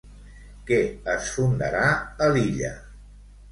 Què es fundarà a l'illa?